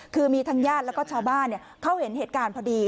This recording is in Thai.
คือมีทั้งญาติแล้วก็ชาวบ้านเขาเห็นเหตุการณ์พอดี